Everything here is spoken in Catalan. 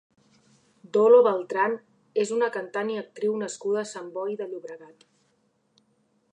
Dolo Beltrán és una cantant i actriu nascuda a Sant Boi de Llobregat.